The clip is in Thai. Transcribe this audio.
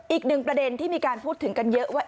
อีกหนึ่งประเด็นที่มีการพูดถึงกันเยอะว่า